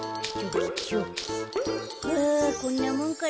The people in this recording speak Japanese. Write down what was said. フこんなもんかな。